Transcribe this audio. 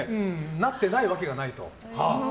なってないわけがないと。